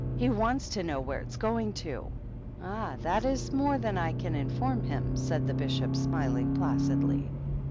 " He wants to know where it's going to." "Ah, that is more than I can inform him," said the Bishop, smiling placidly.